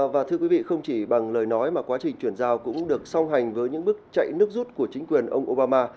và thưa quý vị không chỉ bằng lời nói mà quá trình chuyển giao cũng được song hành với những bước chạy nước rút của chính quyền ông obama